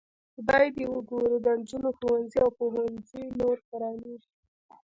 خدای ته وګورئ د نجونو ښوونځي او پوهنځي نور پرانیزئ.